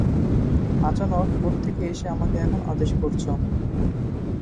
আচানক কোত্থেকে এসে আমাকে এখন আদেশ করছ!